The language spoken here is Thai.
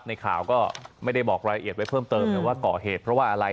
ในข่าวก็ไม่ได้บอกรายละเอียดไว้เพิ่มเติมนะว่าก่อเหตุเพราะว่าอะไร